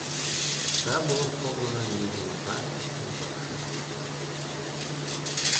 Все було сповнене ніжними пестощами першої весни.